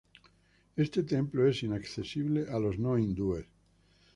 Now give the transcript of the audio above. Este templo es inaccesible a los no hindúes.